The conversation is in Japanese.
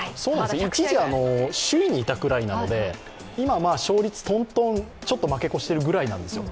一時首位にいたくらいなので、今勝率でちょっと負け越してるくらいなんですよ。